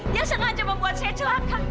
dia sengaja membuat saya celaka